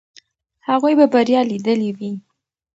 هغوی به بریا لیدلې وي.